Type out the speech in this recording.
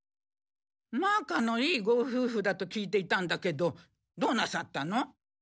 なかのいいご夫婦だと聞いていたんだけどどうなさったの？